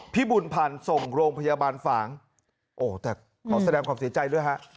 พิบูรพันธ์ส่งโรงพยาบาลฝางโอ้แต่ขอแสดงขอบใจใจด้วยฮะ